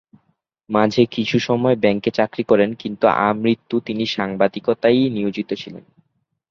মাঝে কিছুসময় ব্যাংকে চাকরি করেন কিন্তু আমৃত্যু তিনি সাংবাদিকতায়ই নিয়োজিত ছিলেন।